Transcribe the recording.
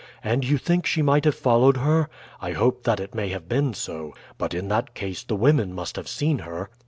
And you think she might have followed her? I hope that it may have been so. But in that case the women must have seen her."